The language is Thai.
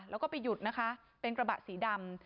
แล้วก็ไปหยุดนะคะเป็นกระบะสีดำ